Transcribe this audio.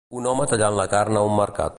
un home tallant la carn a un mercat